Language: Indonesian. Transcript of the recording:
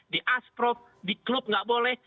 di asprof di klub nggak boleh